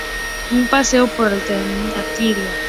Un paseo por Alcantarilla